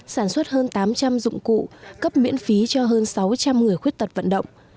sản xuất hơn tám trăm linh dụng cụ cấp miễn phí cho hơn sáu trăm linh người khuyết tật vận động